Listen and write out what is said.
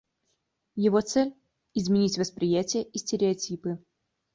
Его цель — изменить восприятие и стереотипы.